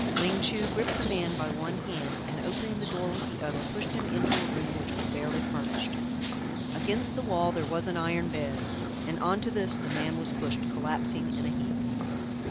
Ling Chu gripped the man by one hand and opening the door with the other, pushed him into a room which was barely furnished. Against the wall there was an iron bed, and on to this the man was pushed, collapsing in a heap.